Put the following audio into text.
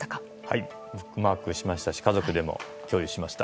ブックマークしましたし家族でも共有しました。